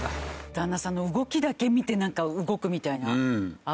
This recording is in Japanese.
旦那さんの動きだけ見てなんか動くみたいな。